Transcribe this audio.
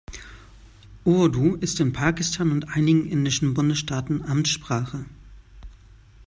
Urdu ist in Pakistan und einigen indischen Bundesstaaten Amtssprache.